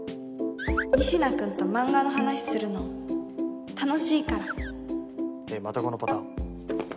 仁科君と漫画の話するの楽しいからえっまたこのパターン？